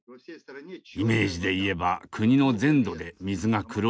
イメージで言えば国の全土で水が黒いのです。